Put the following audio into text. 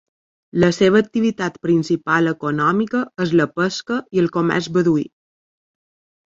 La seva activitat principal econòmica és la pesca i el comerç beduí.